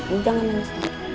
udah gak nangis lagi